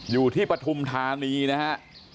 อยู่ที่ปฐุมฐานีนะฮะ